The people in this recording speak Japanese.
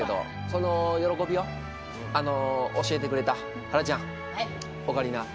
その喜びを教えてくれたはらちゃんオカリナ